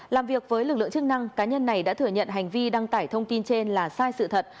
làm việc với lực lượng chức năng cá nhân này đã thừa nhận hành vi đăng tải thông tin trên là sai sự thật